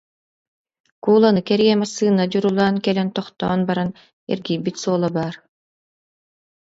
Кууланы кэрийэ массыына дьурулаан кэлэн тох- тоон баран, эргийбит суола баар